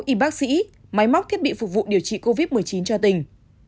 y bác sĩ máy móc thiết bị phục vụ điều trị covid một mươi chín cho tỉnh